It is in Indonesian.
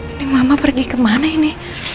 ini mama pergi kemana ini